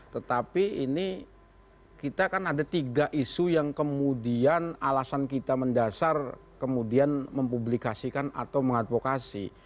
tetapi ini kita kan ada tiga isu yang kemudian alasan kita mendasar kemudian mempublikasikan atau mengadvokasi